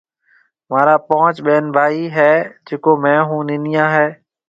مهارا پونچ ٻين ڀائِي هيَ جيڪو مهيَ هون ننَييا هيَ